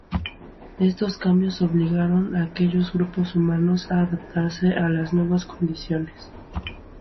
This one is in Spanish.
Estos cambios obligaron a aquellos grupos humanos a adaptarse a las nuevas condiciones.